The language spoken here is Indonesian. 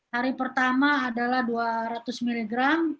hari pertama adalah dua ratus miligram